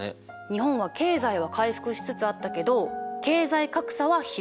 日本は経済は回復しつつあったけど経済格差は広がった。